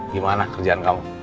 gimana kerjaan kamu